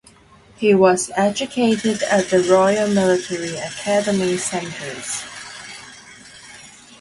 He was educated at the Royal Military Academy Sandhurst.